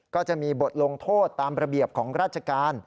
ก็จะมีบทลงโทษตามระเบียบของราชการ